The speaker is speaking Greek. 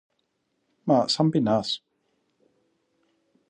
Μα σαν πεινάς;